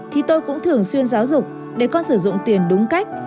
thì tôi cũng thường xuyên giáo dục để con sử dụng tiền đúng cách